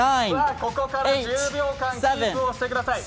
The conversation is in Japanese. ここから１０秒間キープしてください。